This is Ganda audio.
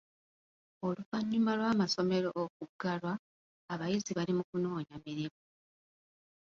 Oluvannyuma lw'amasomero okuggalwa, abayizi bali mu kunoonya mirimu.